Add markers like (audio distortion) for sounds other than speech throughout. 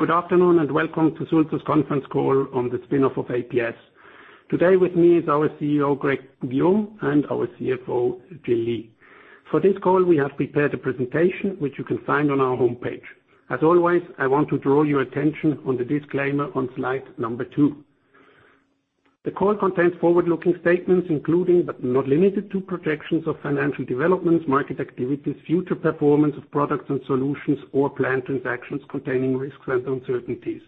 Good afternoon, welcome to Sulzer's conference call on the spin-off of APS. Today with me is our CEO, Greg Poux-Guillaume, and our CFO, Jill Lee. For this call, we have prepared a presentation, which you can find on our homepage. As always, I want to draw your attention on the disclaimer on slide number two. The call contains forward-looking statements including, but not limited to, projections of financial developments, market activities, future performance of products and solutions, or planned transactions containing risks and uncertainties.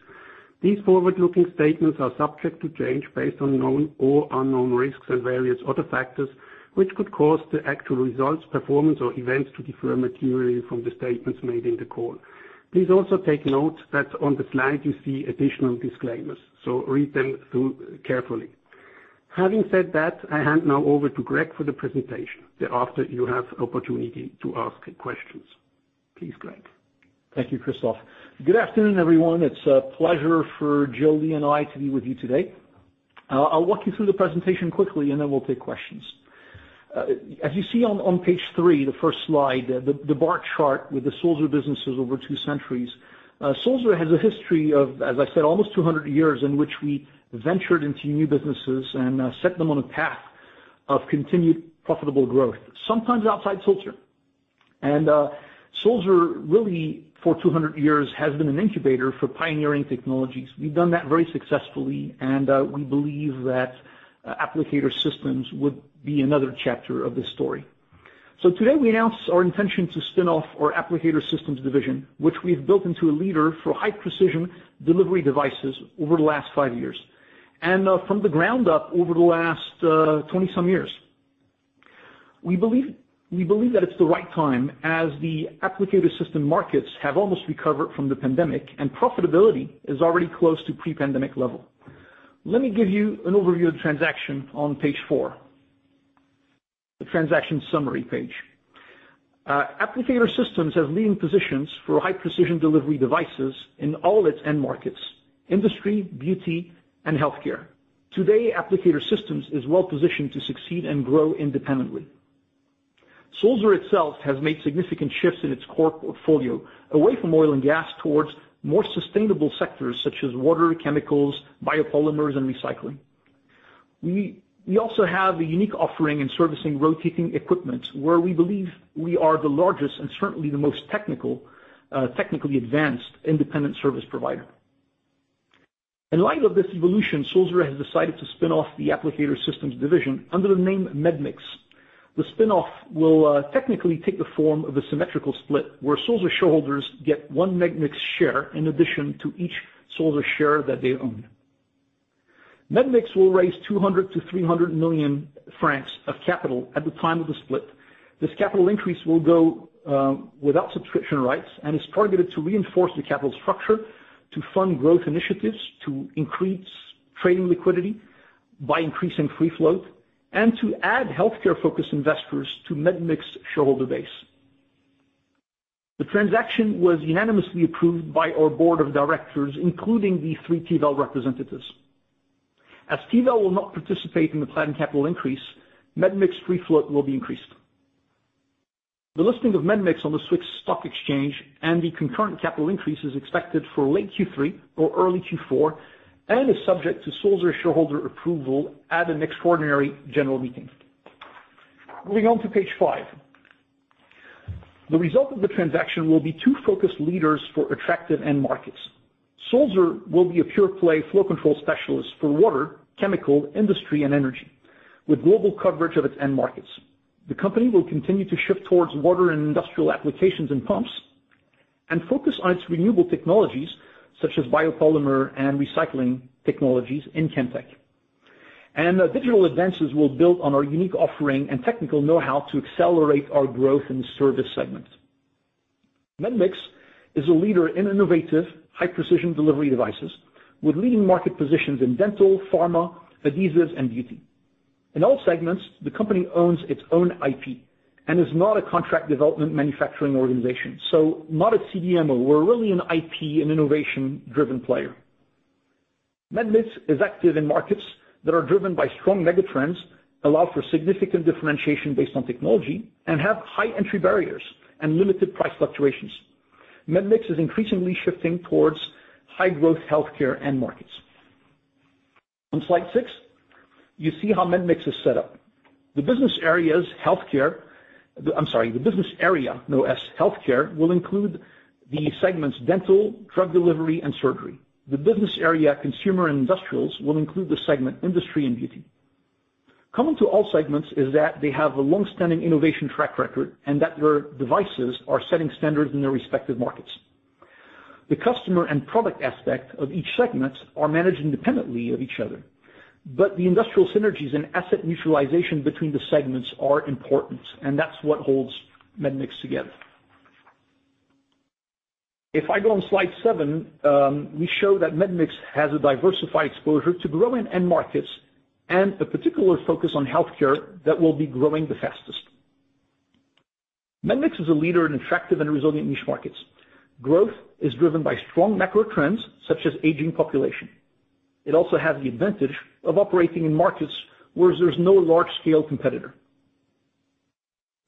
These forward-looking statements are subject to change based on known or unknown risks and various other factors, which could cause the actual results, performance, or events to differ materially from the statements made in the call. Please also take note that on the slide you see additional disclaimers, so read them carefully. Having said that, I hand now over to Greg for the presentation. Thereafter, you'll have the opportunity to ask questions. Please, Greg. Thank you, Christoph. Good afternoon, everyone. It's a pleasure for Jill Lee and I to be with you today. I'll walk you through the presentation quickly, and then we'll take questions. As you see on page three, the first slide, the bar chart with the Sulzer businesses over two centuries. Sulzer has a history of, as I said, almost 200 years in which we ventured into new businesses and set them on a path of continued profitable growth, sometimes outside Sulzer. Sulzer, really, for 200 years, has been an incubator for pioneering technologies. We've done that very successfully, and we believe that Applicator Systems would be another chapter of this story. Today we announced our intention to spin off our Applicator Systems division, which we've built into a leader for high-precision delivery devices over the last five years, and from the ground up over the last 20-some years. We believe that it's the right time as the Applicator Systems markets have almost recovered from the pandemic, and profitability is already close to pre-pandemic level. Let me give you an overview of the transaction on page four, the transaction summary page. Applicator Systems has leading positions for high-precision delivery devices in all its end markets: industry, beauty, and healthcare. Today, Applicator Systems is well-positioned to succeed and grow independently. Sulzer itself has made significant shifts in its core portfolio, away from oil and gas towards more sustainable sectors such as water, chemicals, biopolymers, and recycling. We also have a unique offering in servicing rotating equipment, where we believe we are the largest and certainly the most technically advanced independent service provider. In light of this evolution, Sulzer has decided to spin off the Applicator Systems division under the name medmix. The spin-off will technically take the form of a symmetrical split, where Sulzer shareholders get one medmix share in addition to each Sulzer share that they own. medmix will raise 200 million to 300 million francs of capital at the time of the split. This capital increase will go without subscription rights and is targeted to reinforce the capital structure, to fund growth initiatives, to increase trading liquidity by increasing free float, and to add healthcare-focused investors to medmix shareholder base. The transaction was unanimously approved by our board of directors, including the three Tiwel representatives. As Tiwel will not participate in the planned capital increase, medmix free float will be increased. The listing of medmix on the SIX Swiss Exchange and the concurrent capital increase is expected for late Q3 or early Q4 and is subject to Sulzer shareholder approval at an extraordinary general meeting. Moving on to page five. The result of the transaction will be two focused leaders for attractive end markets. Sulzer will be a pure play flow control specialist for water, chemical, industry, and energy, with global coverage of its end markets. The company will continue to shift towards water and industrial applications and pumps and focus on its renewable technologies, such as biopolymer and recycling technologies in Chemtech. Digital advances will build on our unique offering and technical know-how to accelerate our growth in the service segment. medmix is a leader in innovative, high-precision delivery devices with leading market positions in dental, pharma, adhesives, and beauty. In all segments, the company owns its own IP and is not a contract development manufacturing organization. Not a CDMO. We're really an IP and innovation-driven player. Medmix is active in markets that are driven by strong mega trends, allow for significant differentiation based on technology, and have high entry barriers and limited price fluctuations. medmix is increasingly shifting towards high-growth healthcare end markets. On slide six, you see how medmix is set up. The business area known as Healthcare will include the segments Dental, Drug Delivery, and Surgery. The business area Consumer and Industrials will include the segment Industry and Beauty. Common to all segments is that they have a long-standing innovation track record and that their devices are setting standards in their respective markets. The customer and product aspect of each segment are managed independently of each other, but the industrial synergies and asset utilization between the segments are important, and that is what holds medmix together. If I go on slide seven, we show that medmix has a diversified exposure to growing end markets and a particular focus on healthcare that will be growing the fastest. medmix is a leader in attractive and resilient niche markets. Growth is driven by strong macro trends such as aging population. It also has the advantage of operating in markets where there's no large-scale competitor.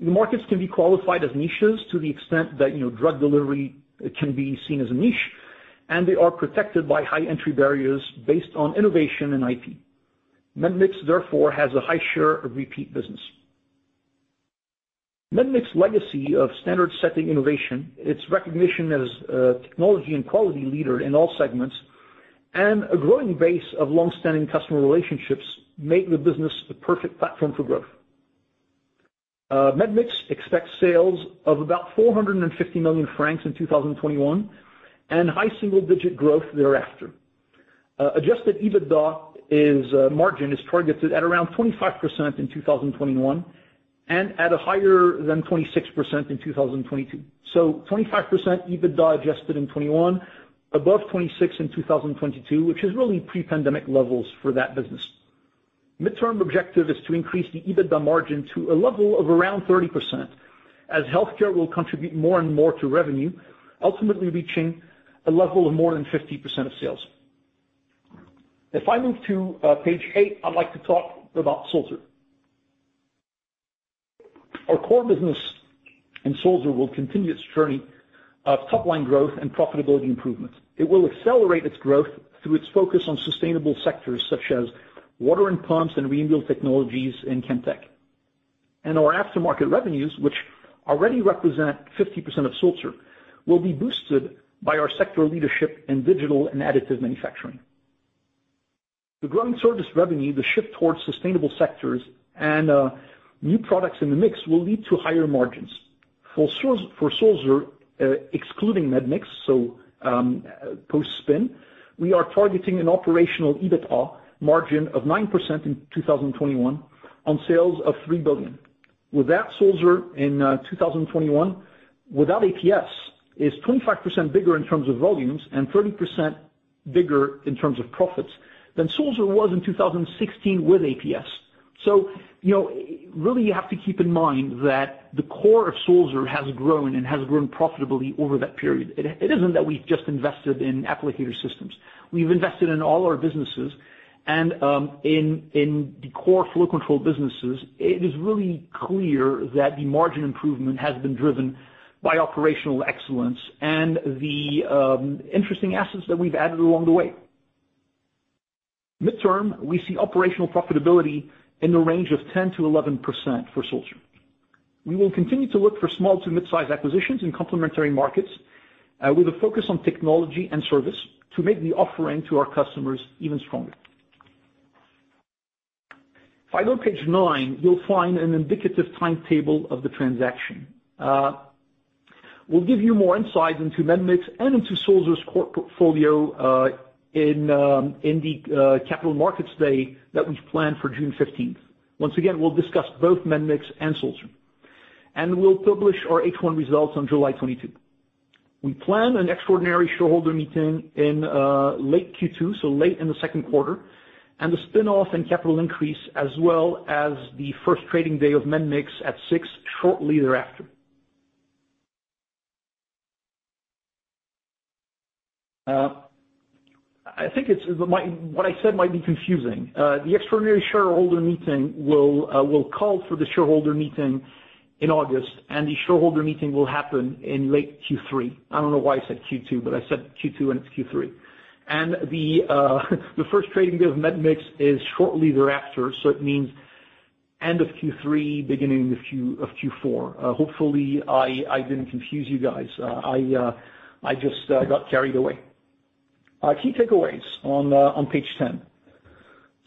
The markets can be qualified as niches to the extent that drug delivery can be seen as a niche, and they are protected by high entry barriers based on innovation and IP. medmix therefore has a high share of repeat business. medmix's legacy of standard-setting innovation, its recognition as a technology and quality leader in all segments, and a growing base of longstanding customer relationships make the business the perfect platform for growth. Medmix expects sales of about 450 million francs in 2021 and high single-digit growth thereafter. Adjusted EBITDA margin is targeted at around 25% in 2021 and at higher than 26% in 2022. 25% EBITDA adjusted in 2021, above 26% in 2022, which is really pre-pandemic levels for that business. Midterm objective is to increase the EBITDA margin to a level of around 30%, as healthcare will contribute more and more to revenue, ultimately reaching a level of more than 50% of sales. If I move to page eight, I'd like to talk about Sulzer. Our core business in Sulzer will continue its journey of top-line growth and profitability improvements. It will accelerate its growth through its focus on sustainable sectors such as water and pumps and renewable technologies and Chemtech. Our aftermarket revenues, which already represent 50% of Sulzer, will be boosted by our sector leadership in digital and additive manufacturing. The growing service revenue, the shift towards sustainable sectors, and new products in the mix will lead to higher margins. For Sulzer, excluding medmix, so post-spin, we are targeting an operational EBITDA margin of 9% in 2021 on sales of 3 billion. With that, Sulzer in 2021, without APS, is 25% bigger in terms of volumes and 30% bigger in terms of profits than Sulzer was in 2016 with APS. Really, you have to keep in mind that the core of Sulzer has grown and has grown profitably over that period. It isn't that we've just invested in Applicator Systems. We've invested in all our businesses and in the core flow control businesses, it is really clear that the margin improvement has been driven by operational excellence and the interesting assets that we've added along the way. Midterm, we see operational profitability in the range of 10%-11% for Sulzer. We will continue to look for small to mid-size acquisitions in complementary markets with a focus on technology and service to make the offering to our customers even stronger. If I look at page nine, you'll find an indicative timetable of the transaction. We'll give you more insight into medmix and into Sulzer's core portfolio in the Capital Markets Day that we've planned for June 15th. Once again, we'll discuss both medmix and Sulzer, and we'll publish our H1 results on July 22. We plan an extraordinary shareholder meeting in late Q2, so late in the second quarter, a spin-off and capital increase, as well as the first trading day of medmix at SIX shortly thereafter. I think what I said might be confusing. The extraordinary shareholder meeting will call for the shareholder meeting in August, and the shareholder meeting will happen in late Q3. I don't know why I said Q2, but I said Q2 and it's Q3. The first trading day of medmix is shortly thereafter, so it means end of Q3, beginning of Q4. Hopefully, I didn't confuse you guys. I just got carried away. Key takeaways on page 10.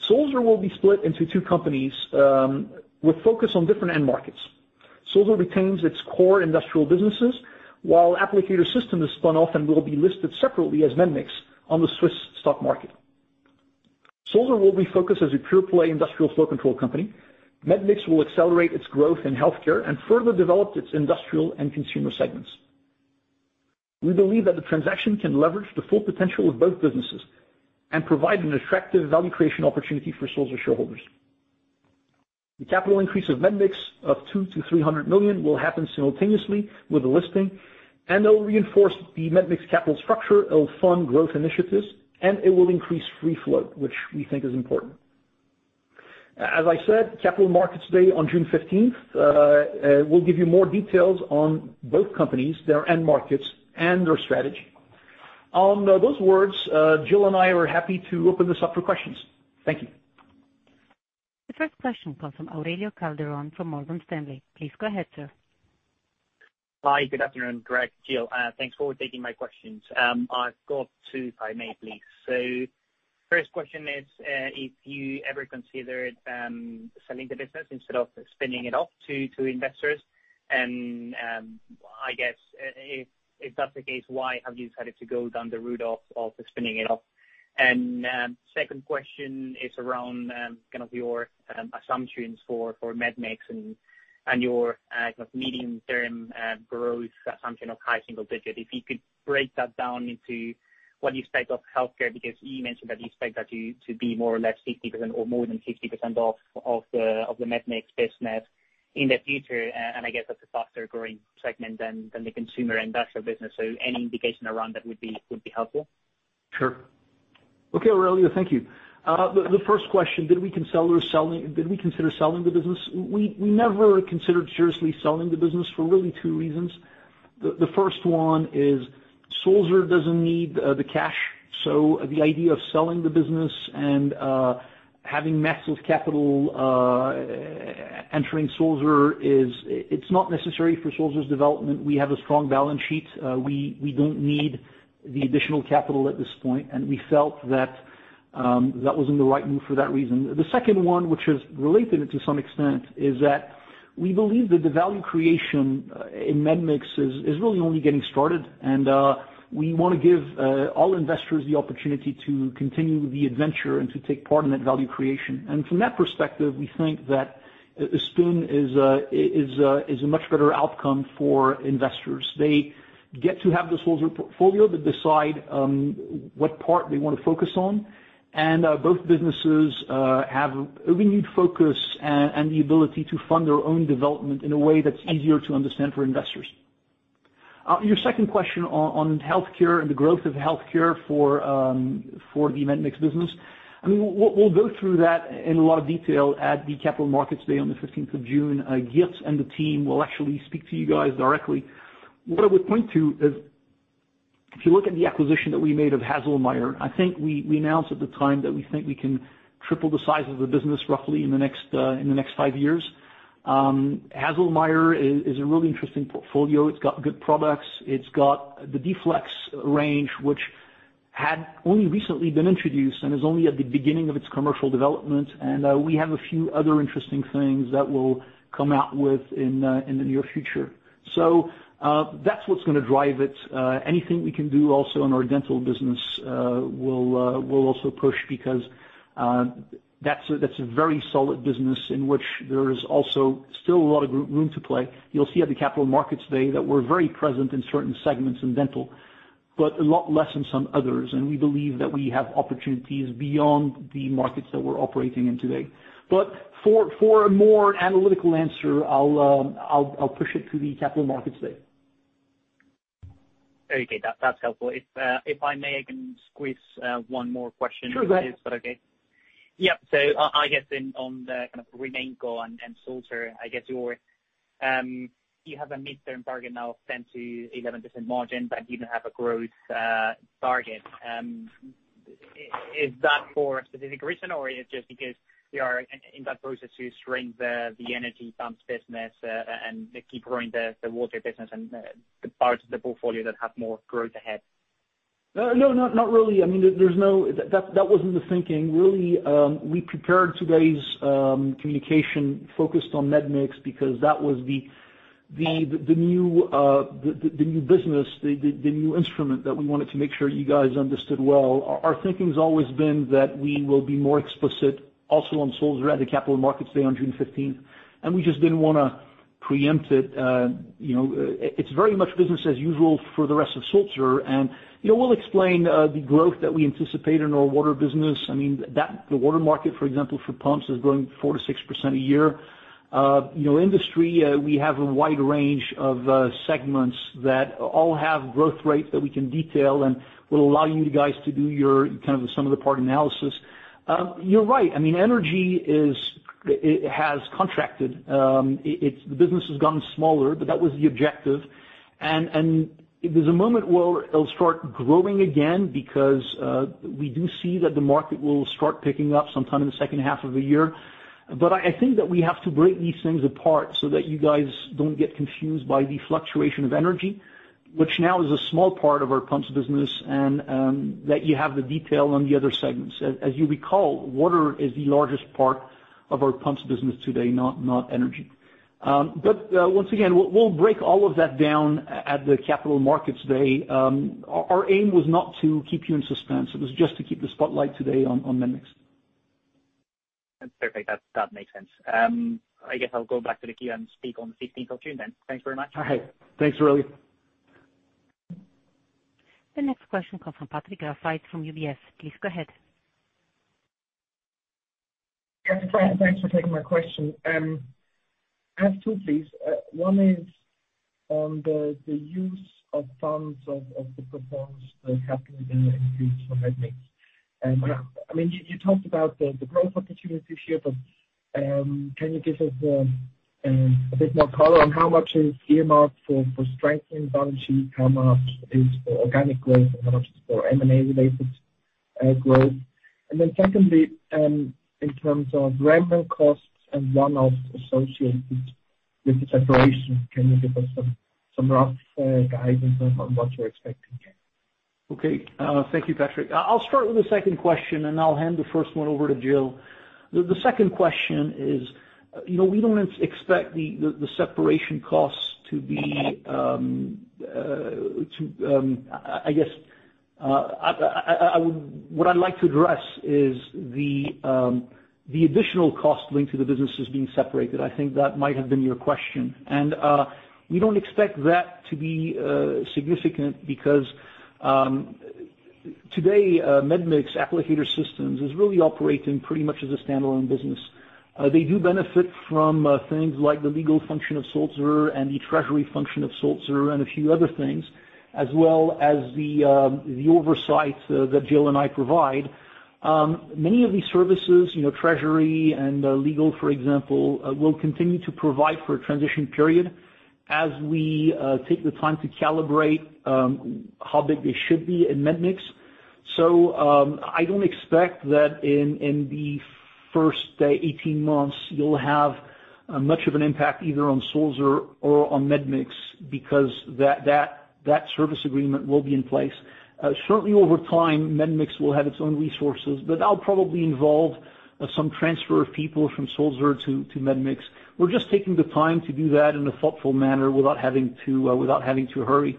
Sulzer will be split into two companies with focus on different end markets. Sulzer retains its core industrial businesses while Applicator Systems is spun off and will be listed separately as medmix on the Swiss Stock Exchange. Sulzer will be focused as a pure-play industrial flow control company. medmix will accelerate its growth in healthcare and further develop its industrial and consumer segments. We believe that the transaction can leverage the full potential of both businesses and provide an attractive value creation opportunity for Sulzer shareholders. The capital increase of medmix of 200 million-300 million will happen simultaneously with the listing, and it will reinforce the medmix capital structure, it will fund growth initiatives, and it will increase free float, which we think is important. As I said, Capital Markets Day on June 15th, we'll give you more details on both companies, their end markets, and their strategy. On those words, Jill and I are happy to open this up for questions. Thank you. The first question comes from Aurelio Calderon from Morgan Stanley. Please go ahead. Hi. Good afternoon, Greg, Jill. Thanks for taking my questions. I've got two, if I may please. First question is, if you ever considered selling the business instead of spinning it off to investors, and I guess if that's the case, why have you decided to go down the route of spinning it off? Second question is around kind of your assumptions for medmix and your kind of medium-term growth assumption of high single digits. If you could break that down into what you expect of healthcare, because you mentioned that you expect that to be more or less 50% or more than 50% of the medmix business in the future, and I guess that's a faster-growing segment than the consumer industrial business. Any indication around that would be helpful. Okay, Aurelio, thank you. The first question, did we consider selling the business? We never considered seriously selling the business for really two reasons. The first one is Sulzer doesn't need the cash. The idea of selling the business and having massive capital entering Sulzer, it's not necessary for Sulzer's development. We have a strong balance sheet. We don't need the additional capital at this point, and we felt that that was in the right move for that reason. The second one, which is related to some extent, is that we believe that the value creation in medmix is really only getting started, and we want to give all investors the opportunity to continue the adventure and to take part in that value creation. From that perspective, we think that a spin is a much better outcome for investors. They get to have the Sulzer portfolio but decide what part they want to focus on. Both businesses have a renewed focus and the ability to fund their own development in a way that's easier to understand for investors. Your second question on healthcare and the growth of healthcare for the medmix business, we'll go through that in a lot of detail at the Capital Markets Day on the 15th of June. (audio distortion) and the team will actually speak to you guys directly. What I would point to is, if you look at the acquisition that we made of Haselmeier, I think we announced at the time that we think we can triple the size of the business roughly in the next five years. Haselmeier is a really interesting portfolio. It's got good products. It's got the D-Flex range, which had only recently been introduced and is only at the beginning of its commercial development. We have a few other interesting things that we'll come out with in the near future. That's what's going to drive it. Anything we can do also in our dental business will also push because that's a very solid business in which there is also still a lot of room to play. You'll see at the Capital Markets Day that we're very present in certain segments in dental, but a lot less in some others. We believe that we have opportunities beyond the markets that we're operating in today. For a more analytical answer, I'll push it to the Capital Markets Day. Okay, that's helpful. If I may, I can squeeze one more question in. Sure, go ahead. If that's okay. Yeah. I guess on the kind of RemainCo and Sulzer, I guess you have a midterm target now of 10%-11% margins and you have a growth target. Is that for a specific reason, or is it just because we are in that process to shrink the energy pumps business and to keep growing the water business and the parts of the portfolio that have more growth ahead? No, not really. That wasn't the thinking, really. We prepared today's communication focused on medmix because that was the new business, the new instrument that we wanted to make sure you guys understood well. Our thinking has always been that we will be more explicit also on Sulzer at the Capital Markets Day on June 15th, and we just didn't want to preempt it. It's very much business as usual for the rest of Sulzer, and we'll explain the growth that we anticipate in our water business. The water market, for example, for pumps is growing 4%-6% a year. In the industry, we have a wide range of segments that all have growth rates that we can detail and will allow you guys to do your kind of sum of the part analysis. You're right, energy has contracted. The business has gotten smaller, but that was the objective, and there's a moment where it'll start growing again because we do see that the market will start picking up sometime in the second half of the year. I think that we have to break these things apart so that you guys don't get confused by the fluctuation of energy, which now is a small part of our pumps business, and that you have the detail on the other segments. As you recall, water is the largest part of our pumps business today, not energy. Once again, we'll break all of that down at the Capital Markets Day. Our aim was not to keep you in suspense. It was just to keep the spotlight today on medmix. That's perfect. That makes sense. I guess I'll go back to the queue and speak on the 15th of June then. Thanks very much. Okay. Thanks, Aurelio. The next question comes from Patrick Rafaisz from UBS. Please go ahead. Yes, thanks for taking my question. I have two, please. One is on the use of funds of the performance that is happening in increase for medmix. Yeah. You talked about the growth opportunity here, but can you give us a bit more color on how much is earmarked for strengthening the balance sheet, how much is for organic growth, and how much is for M&A related growth? Secondly, in terms of RemainCo costs and one-offs associated with the separation, can you give us some rough guidance on what you're expecting here? Okay. Thank you, Patrick. I'll start with the second question, and I'll hand the first one over to Jill. The second question is, what I'd like to address is the additional cost linked to the businesses being separated. I think that might have been your question. We don't expect that to be significant because today, medmix Applicator Systems is really operating pretty much as a standalone business. They do benefit from things like the legal function of Sulzer and the treasury function of Sulzer and a few other things, as well as the oversight that Jill and I provide. Many of these services, treasury and legal, for example, we'll continue to provide for a transition period as we take the time to calibrate how big they should be in medmix. I don't expect that in the first 18 months you'll have much of an impact either on Sulzer or on Medmix, because that service agreement will be in place. Certainly, over time, Medmix will have its own resources, but that will probably involve some transfer of people from Sulzer to Medmix. We're just taking the time to do that in a thoughtful manner without having to hurry.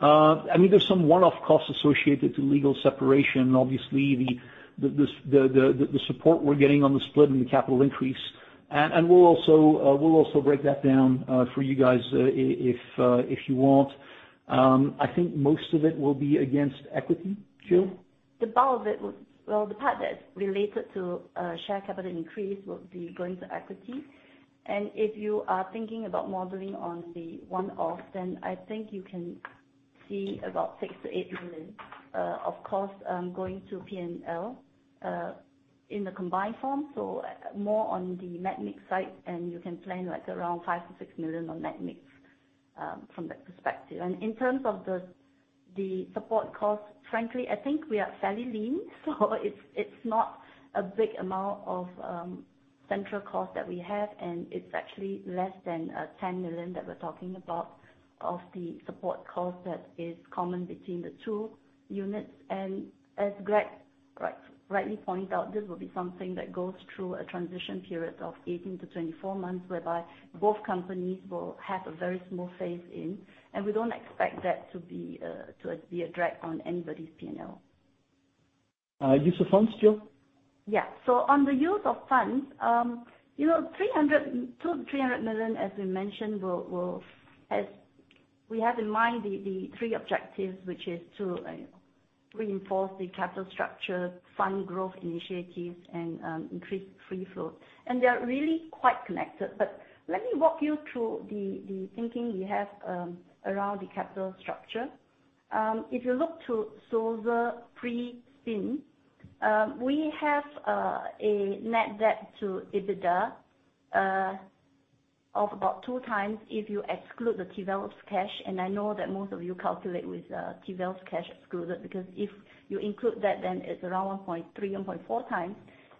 I mean, there's some one-off costs associated to legal separation and obviously the support we're getting on the split and the capital increase, and we'll also break that down for you guys if you want. I think most of it will be against equity, Jill? The part that's related to share capital increase will be going to equity. If you are thinking about modeling on the one-off, then I think you can see about 6 million-8 million of cost going to P&L in the combined form, so more on the medmix side, and you can plan around 5 million-6 million on medmix from that perspective. In terms of the support cost, frankly, I think we are fairly lean, so it's not a big amount of central cost that we have, and it's actually less than 10 million that we're talking about of the support cost that is common between the two units. As Greg rightly pointed out, this will be something that goes through a transition period of 18-24 months, whereby both companies will have a very small phase-in, and we don't expect that to be a drag on anybody's P&L. Use of funds, Jill? Yeah. On the use of funds, 300 million, as we mentioned, we have in mind the three objectives, which is to reinforce the capital structure, fund growth initiatives, and increase free cash flow. They're really quite connected. Let me walk you through the thinking we have around the capital structure. If you look to Sulzer pre-spin, we have a net debt to EBITDA of about 2x if you exclude the Tiwel's cash. I know that most of you calculate with Tiwel's cash excluded, because if you include that, then it's around 1.3, 1.4x,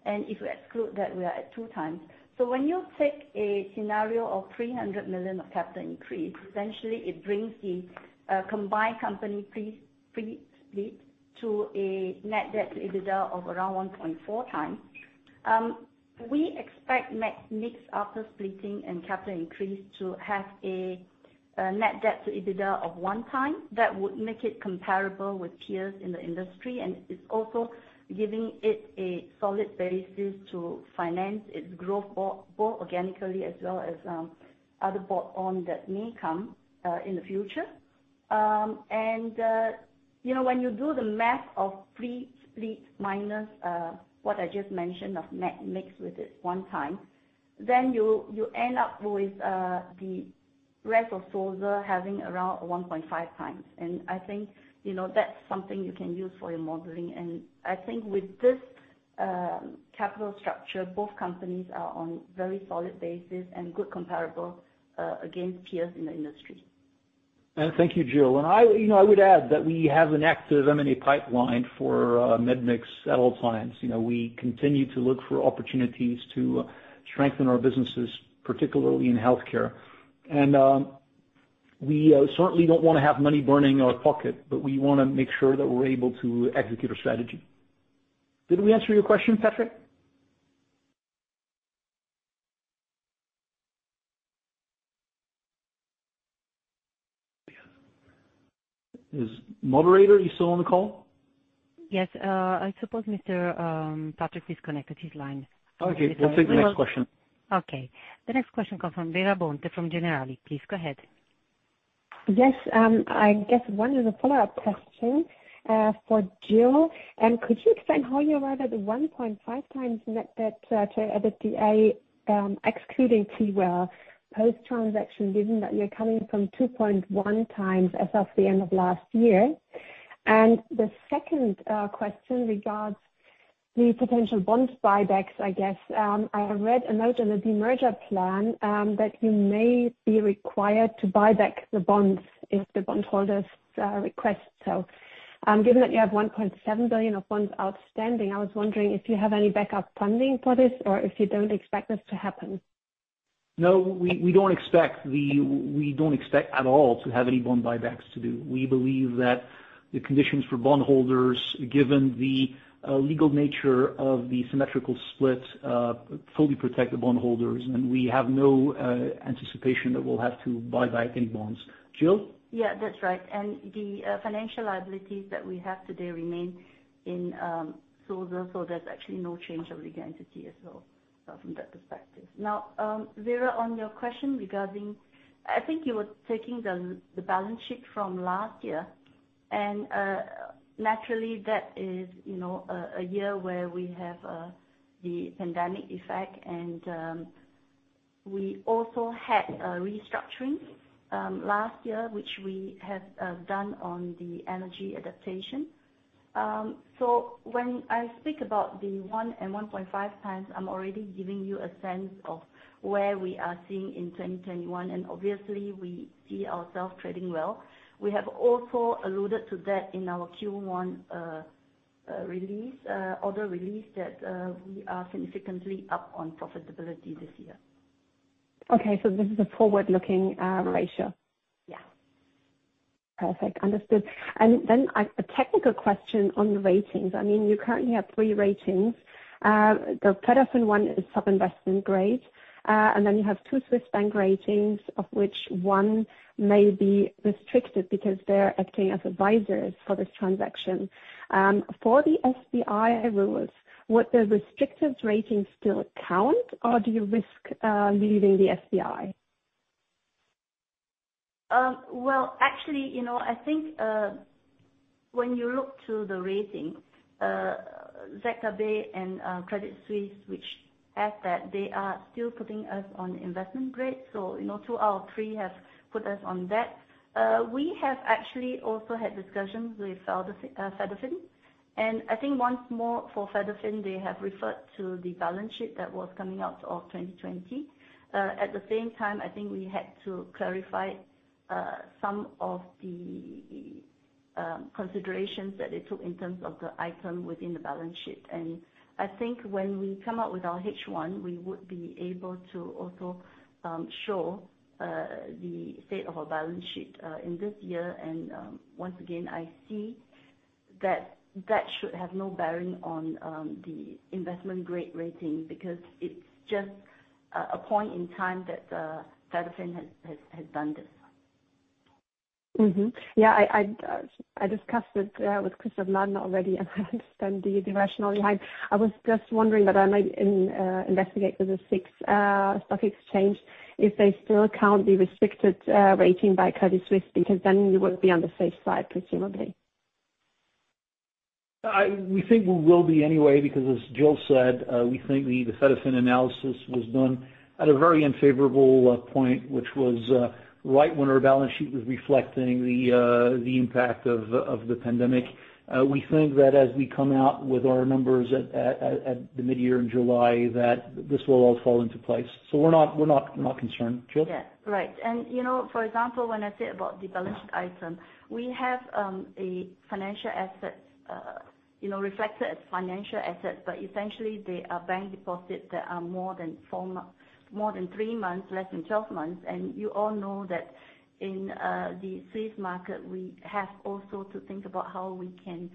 and if you exclude that, we are at 2x. When you take a scenario of 300 million of capital increase, essentially it brings the combined company pre-split to a net debt to EBITDA of around 1.4x. We expect medmix after splitting and capital increase to have a net debt to EBITDA of one time. That would make it comparable with peers in the industry, and it's also giving it a solid basis to finance its growth, both organically as well as other add-ons that may come in the future. When you do the math of pre-split minus what I just mentioned of medmix with it one time, then you end up with the rest of Sulzer having around 1.5x. I think that's something you can use for your modeling. I think with this capital structure, both companies are on very solid basis and good comparable against peers in the industry. Thank you, Jill. I would add that we have an active M&A pipeline for medmix at all times. We continue to look for opportunities to strengthen our businesses, particularly in healthcare. We certainly don't want to have money burning in our pocket. We want to make sure that we're able to execute our strategy. Did we answer your question, Patrick? Is moderator you still on the call? Yes. I suppose Mr. Patrick is connected his line. Okay. That's the next question. Okay. The next question comes from Vera Bonte from Generali. Please go ahead. Yes. I guess one is a follow-up question for Jill. Could you explain how you arrived at the 1.5x net debt to EBITDA excluding Tiwel post-transaction, given that you're coming from 2.1x as of the end of last year? The second question regards the potential bonds buybacks, I guess. I read a note on the demerger plan that you may be required to buy back the bonds if the bondholders request so. Given that you have 1.7 billion of bonds outstanding, I was wondering if you have any backup funding for this or if you don't expect this to happen. No, we don't expect at all to have any bond buybacks to do. We believe that the conditions for bondholders, given the legal nature of the symmetrical split, fully protect the bondholders, and we have no anticipation that we'll have to buy back any bonds. Jill? Yeah, that's right. The financial liabilities that we have today remain in Sulzer, so there's actually no change of identity as well from that perspective. Vera, on your question, I think you were taking the balance sheet from last year. Naturally, that is a year where we have the pandemic effect, and we also had restructurings last year, which we have done on the energy adaptation. When I speak about the one and 1.5x, I'm already giving you a sense of where we are seeing in 2021, and obviously we see ourselves trading well. We have also alluded to that in our Q1 order release that we are significantly up on profitability this year. Okay, this is a forward-looking ratio? Yeah. Perfect. Understood. A technical question on the ratings. You currently have three ratings. The Fedafin one is sub-investment grade, and then you have two Swiss bank ratings, of which one may be restricted because they're acting as advisors for this transaction. For the SBI rules, would the restricted ratings still count, or do you risk leaving the SBI? Actually, I think when you look to the ratings, ZKB and Credit Suisse, which at that they are still putting us on investment grade. Two out of three have put us on that. We have actually also had discussions with Fedafin, and I think once more for Fedafin, they have referred to the balance sheet that was coming out of 2020. At the same time, I think we had to clarify some of the considerations that they took in terms of the item within the balance sheet. Once again, I see that that should have no bearing on the investment-grade rating because it's just a point in time that Fedafin had done this. Mm-hmm. Yeah, I discussed it with Christoph Nünlist already, and I understand the rationale behind. I was just wondering, but I might investigate with the SIX Swiss Exchange if they still count the restricted rating by Credit Suisse, because then you would be on the safe side, presumably. We think we will be anyway, because as Jill said, we think the Fedafin analysis was done at a very unfavorable point, which was right when our balance sheet was reflecting the impact of the pandemic. We think that as we come out with our numbers at the mid-year in July, that this will all fall into place. We're not concerned. Jill? Yeah. Right. For example, when I said about the balance item, we have a financial asset reflected as financial asset, but essentially they are bank deposits that are more than three months, less than 12 months. You all know that in the Swiss market, we have also to think about how we can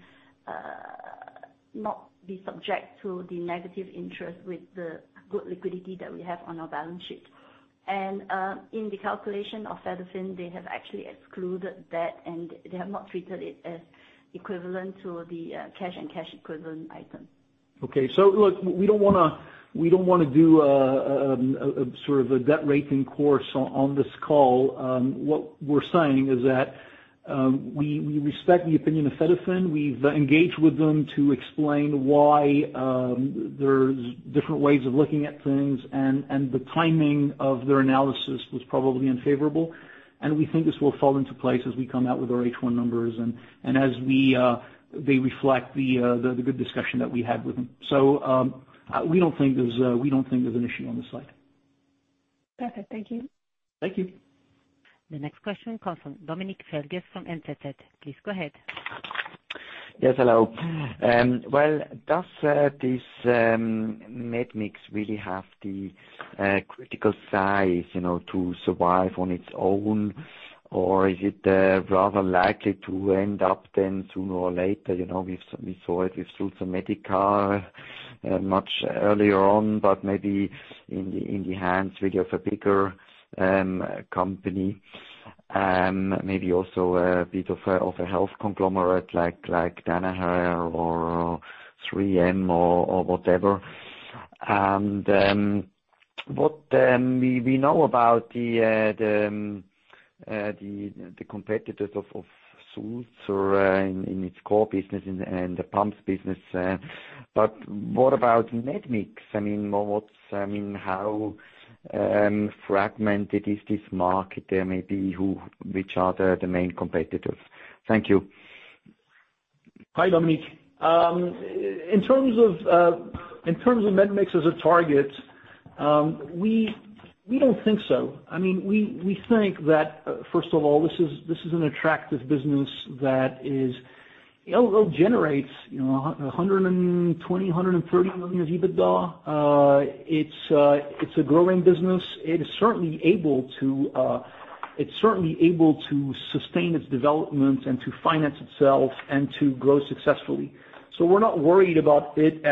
not be subject to the negative interest with the good liquidity that we have on our balance sheet. In the calculation of Fedafin, they have actually excluded that, and they have not treated it as equivalent to the cash and cash equivalent item. Okay. Look, we don't want to do a sort of a debt rating course on this call. What we're saying is that we respect the opinion of Fedafin. We've engaged with them to explain why there's different ways of looking at things, and the timing of their analysis was probably unfavorable, and we think this will fall into place as we come out with our H1 numbers and as they reflect the good discussion that we had with them. We don't think there's an issue on this side. Perfect. Thank you. Thank you. The next question comes from Dominik Seiliger from NZZ. Please go ahead. Yes, hello. Does this medmix really have the critical size to survive on its own, or is it rather likely to end up sooner or later, we saw it with Sulzer Medica much earlier on, but maybe in the hands really of a bigger company, maybe also a bit of a health conglomerate like Danaher or 3M or whatever. We know about the competitors of Sulzer in its core business and the pumps business. What about medmix? How fragmented is this market? Maybe which are the main competitors? Thank you. Hi, Dominik. In terms of medmix as a target, we don't think so. We think that, first of all, this is an attractive business. It generates 120 million, 130 million EBITDA. It's a growing business. It's certainly able to sustain its development and to finance itself and to grow successfully. We're not worried about it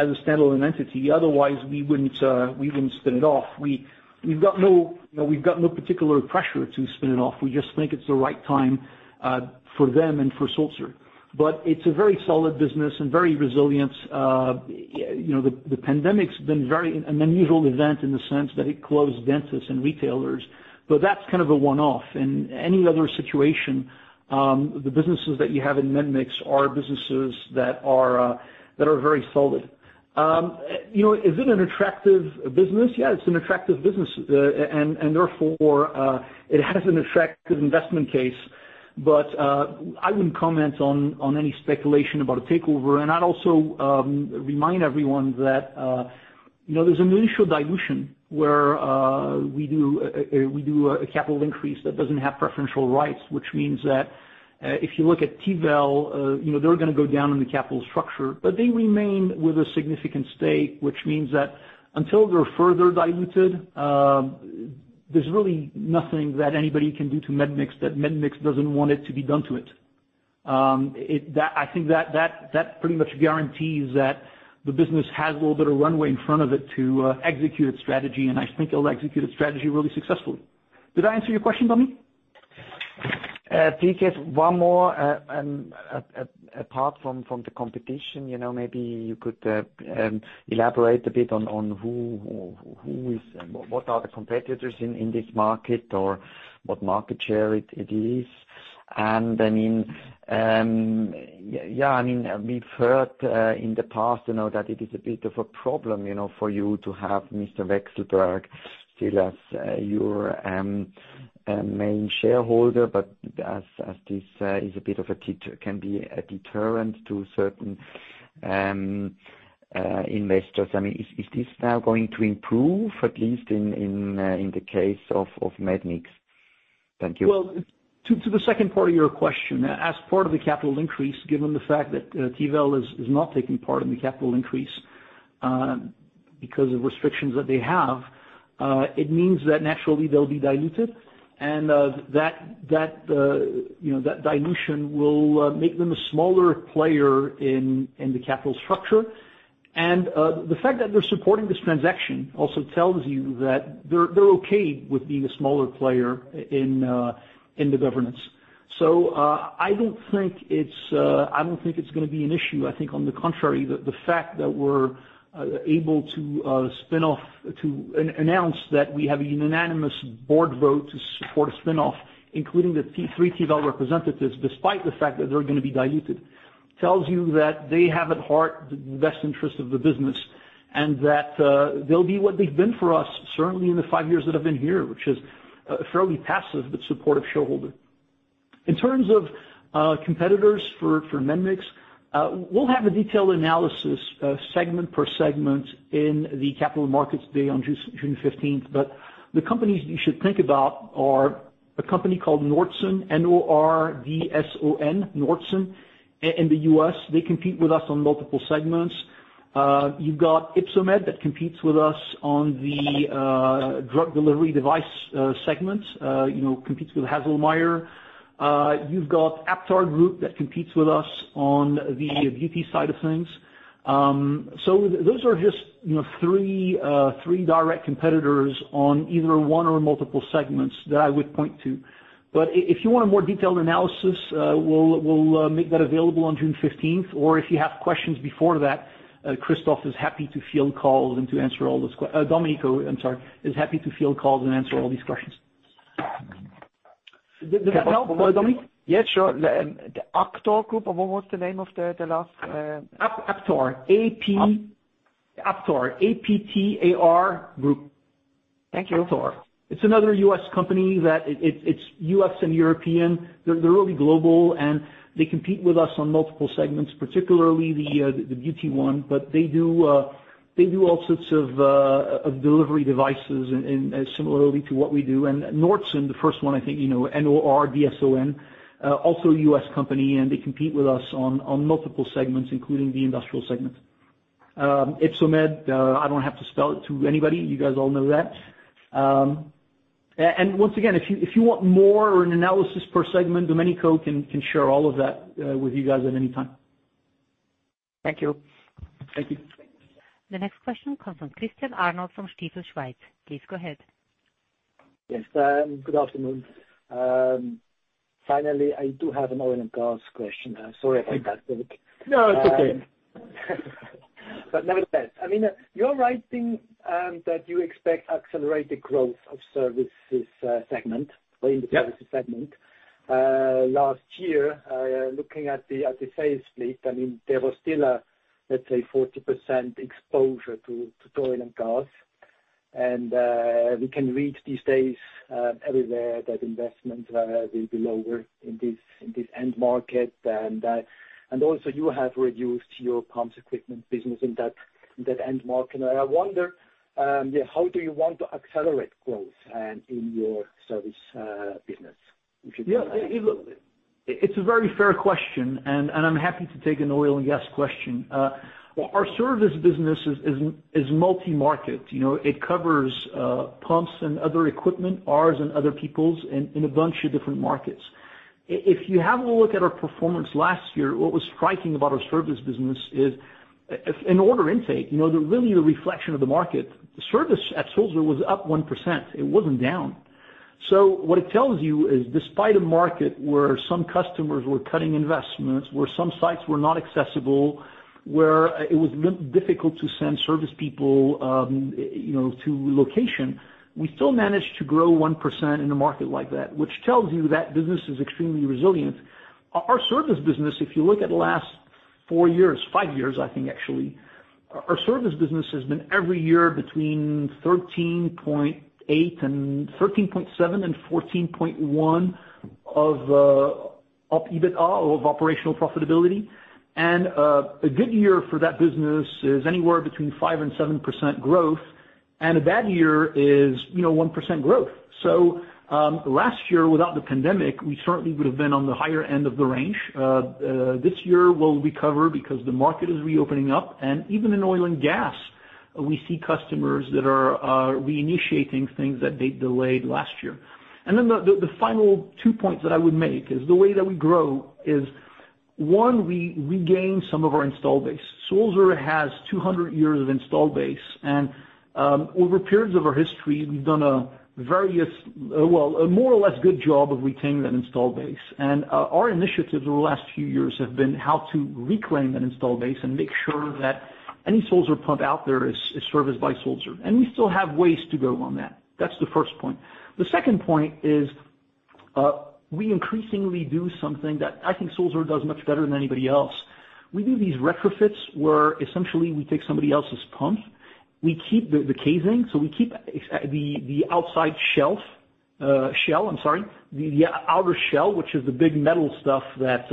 as a standalone entity. Otherwise, we wouldn't spin it off. We've got no particular pressure to spin it off. We just think it's the right time for them and for Sulzer. It's a very solid business and very resilient. The pandemic's been a very unusual event in the sense that it closed dentists and retailers, but that's kind of a one-off. In any other situation, the businesses that you have in medmix are businesses that are very solid. Is it an attractive business? Yeah, it's an attractive business, and therefore, it has an attractive investment case. I wouldn't comment on any speculation about a takeover. I'd also remind everyone that there's a ratio dilution where we do a capital increase that doesn't have preferential rights, which means that if you look at Tiwel, they're going to go down in the capital structure, but they remain with a significant stake, which means that until they're further diluted, there's really nothing that anybody can do to medmix that medmix doesn't want it to be done to it. I think that pretty much guarantees that the business has a little bit of runway in front of it to execute its strategy, and I think they'll execute the strategy really successfully. Did that answer your question, Dominik? Yes. one more. Apart from the competition, maybe you could elaborate a bit on what are the competitors in this market or what market share it is. We've heard in the past that it is a bit of a problem for you to have Mr. Viktor Vekselberg still as your main shareholder, but as this can be a deterrent to certain investors. Is this now going to improve, at least in the case of medmix? Thank you. Well, to the second part of your question, as part of the capital increase, given the fact that Tiwel is not taking part in the capital increase because of restrictions that they have, it means that naturally they'll be diluted, and that dilution will make them a smaller player in the capital structure. The fact that they're supporting this transaction also tells you that they're okay with being a smaller player in the governance. I don't think it's going to be an issue. I think, on the contrary, that the fact that we're able to announce that we have a unanimous board vote to support a spin-off, including the three Tiwel representatives, despite the fact that they're going to be diluted, tells you that they have at heart the best interest of the business and that they'll be what they've been for us, certainly in the five years that I've been here, which is a fairly passive but supportive shareholder. In terms of competitors for medmix, we'll have a detailed analysis segment per segment in the capital markets day on June 15th. The companies you should think about are a company called Nordson, N-O-R-D-S-O-N, Nordson in the U.S. They compete with us on multiple segments. You've got Ypsomed that competes with us on the drug delivery device segment, competes with Haselmeier. You've got AptarGroup that competes with us on the beauty side of things. Those are just three direct competitors on either one or multiple segments that I would point to. If you want more detailed analysis, we'll make that available on June 15th. If you have questions before that, Christoph is happy to field calls and Dominik, I'm sorry, is happy to field calls and answer all these questions. Is that all, Dominik? Yeah, sure. AptarGroup? Or what was the name of the last- Aptar. Aptar. Aptar, A-P-T-A-R Group. Thank you. It's another U.S. company. It's U.S. and European. They're really global, and they compete with us on multiple segments, particularly the beauty one. They do all sorts of delivery devices similarly to what we do. Nordson, the first one, I think, N-O-R-D-S-O-N, also a U.S. company, and they compete with us on multiple segments, including the industrial segment. Ypsomed, I don't have to spell it to anybody. You guys all know that. Once again, if you want more or an analysis per segment, Dominik can share all of that with you guys at any time. Thank you. Thank you. The next question comes from Christian Arnold from Stifel Schweiz. Please go ahead. Yes, good afternoon. Finally, I do have an oil and gas question. I'm sorry about that, Dominik. No, that's okay. No, it's best. You're writing that you expect accelerated growth of services segment or in the services segment. Yeah. Last year, looking at the sales split, there was still a, let's say, 40% exposure to oil and gas. We can read these days everywhere that investment will be lower in this end market. Also you have reduced your pumps equipment business in that end market. I wonder, how do you want to accelerate growth in your service business? It's a very fair question, and I'm happy to take an oil and gas question. Well, our service business is multi-market. It covers pumps and other equipment, ours and other people's, in a bunch of different markets. If you have a look at our performance last year, what was striking about our service business is in order intake, they're really a reflection of the market. The service at Sulzer was up 1%. It wasn't down. What it tells you is despite a market where some customers were cutting investments, where some sites were not accessible, where it was difficult to send service people to location, we still managed to grow 1% in a market like that, which tells you that business is extremely resilient. Our service business, if you look at the last four years, five years, I think actually, our service business has been every year between 13.7 and 14.1 of operational EBITDA margin. A good year for that business is anywhere between 5% and 7% growth, and a bad year is 1% growth. Last year, without the pandemic, we certainly would have been on the higher end of the range. This year we'll recover because the market is reopening up, and even in oil and gas, we see customers that are reinitiating things that they delayed last year. The final two points that I would make is the way that we grow is, one, we regain some of our installed base. Sulzer has 200 years of installed base, and over periods of our history, we've done a more or less good job of retaining that installed base. Our initiatives over the last few years have been how to reclaim that installed base and make sure that any Sulzer pump out there is serviced by Sulzer. We still have ways to go on that. That's the first point. The second point is, we increasingly do something that I think Sulzer does much better than anybody else. We do these retrofits where essentially we take somebody else's pump, we keep the casing. We keep the outside shell, the outer shell, which is the big metal stuff that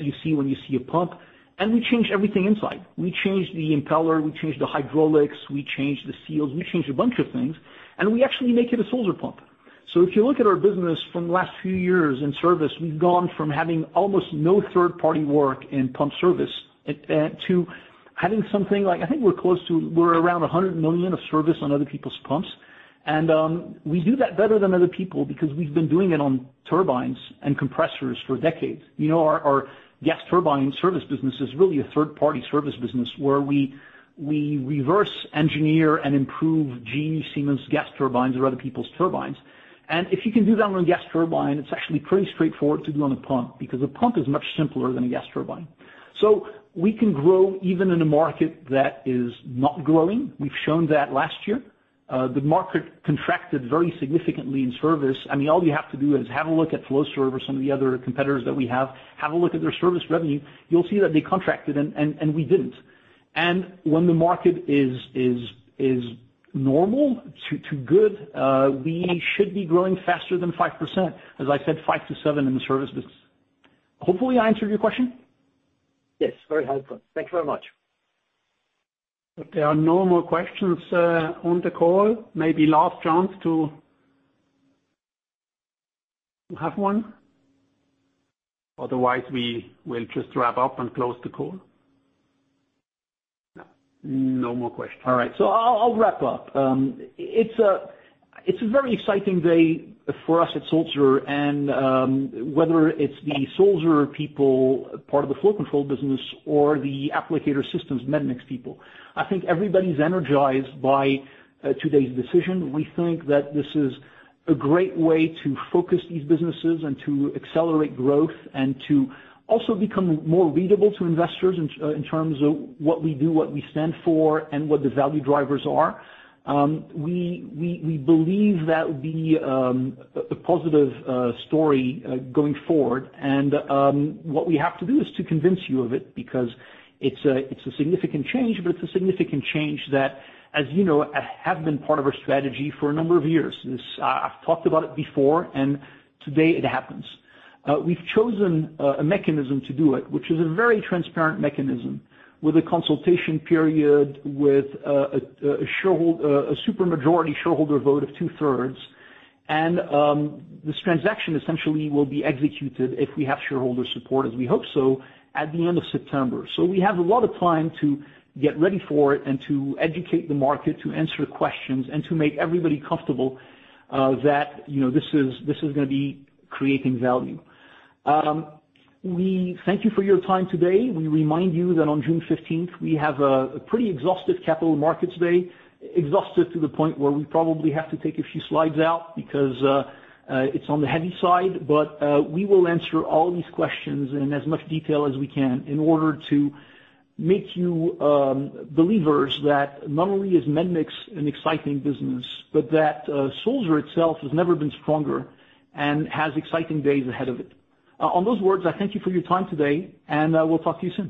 you see when you see a pump, and we change everything inside. We change the impeller, we change the hydraulics, we change the seals, we change a bunch of things, and we actually make it a Sulzer pump. If you look at our business from the last few years in service, we've gone from having almost no third-party work in pump service to having something like, I think we're close to, we're around 100 million of service on other people's pumps. We do that better than other people because we've been doing it on turbines and compressors for decades. Our gas turbine service business is really a third-party service business where we reverse engineer and improve GE, Siemens gas turbines or other people's turbines. If you can do that on a gas turbine, it's actually pretty straightforward to do on a pump because a pump is much simpler than a gas turbine. We can grow even in a market that is not growing. We've shown that last year. The market contracted very significantly in service. All you have to do is have a look at Flowserve, some of the other competitors that we have. Have a look at their service revenue. You'll see that they contracted and we didn't. When the market is normal to good, we should be growing faster than 5%. As I said, 5%-7% in the service business. Hopefully, I answered your question? Yes, very helpful. Thank you very much. If there are no more questions on the call, maybe last chance to have one. Otherwise, we will just wrap up and close the call. No. No more questions. All right. I'll wrap up. It's a very exciting day for us at Sulzer, and whether it's the Sulzer people, part of the flow control business or the Applicator Systems medmix people, I think everybody's energized by today's decision. We think that this is a great way to focus these businesses and to accelerate growth and to also become more readable to investors in terms of what we do, what we stand for, and what the value drivers are. We believe that will be a positive story going forward. What we have to do is to convince you of it, because it's a significant change, but it's a significant change that, as you know, have been part of our strategy for a number of years. I've talked about it before, and today it happens. We've chosen a mechanism to do it, which is a very transparent mechanism with a consultation period, with a super majority shareholder vote of two-thirds. This transaction essentially will be executed if we have shareholder support, as we hope so, at the end of September. We have a lot of time to get ready for it and to educate the market, to answer questions, and to make everybody comfortable that this is going to be creating value. We thank you for your time today. We remind you that on June 15th, we have a pretty exhaustive capital markets day, exhaustive to the point where we probably have to take a few slides out because it's on the heavy side. We will answer all these questions in as much detail as we can in order to make you believers that not only is medmix an exciting business, but that Sulzer itself has never been stronger and has exciting days ahead of it. On those words, I thank you for your time today, and I will talk to you soon.